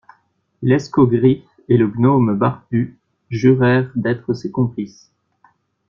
L'escogriffe et le gnome barbu jurèrent d'être ses complices.